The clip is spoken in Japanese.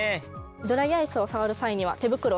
ドライアイスを触る際には手袋をしていただきます。